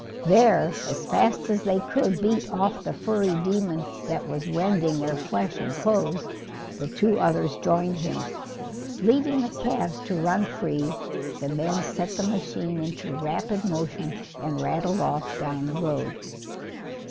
There, as fast as they could beat off the furry demon that was rending their flesh and clothes, the two others joined him. Leaving the calves to run free, the men set the machine into rapid motion and rattled off down the road.